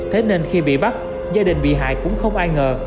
thế nên khi bị bắt gia đình bị hại cũng không ai ngờ